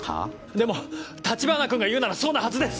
でも橘君が言うならそうなはずです！